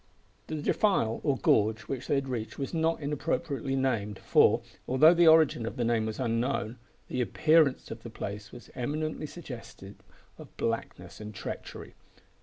The defile or gorge which they had reached was not inappropriately named, for, although the origin of the name was unknown, the appearance of the place was eminently suggestive of blackness and treachery.